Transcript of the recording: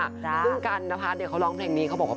ซึ่งกันนพัฒน์เขาร้องเพลงนี้เขาบอกว่า